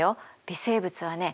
微生物はね